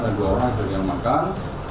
ada dua orang yang sudah diamankan